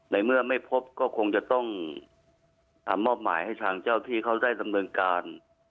ในเมื่อไม่พบก็คงจะต้องมอบหมายให้ทางเจ้าที่เขาได้ดำเนินการ